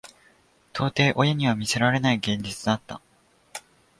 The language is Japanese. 到底親には見せられない現実だった。